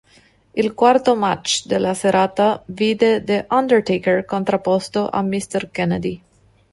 Il quarto match della serata vide The Undertaker contrapposto a Mr. Kennedy.